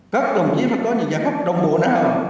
các đồng chí phải có những giá khắc đồng bộ nào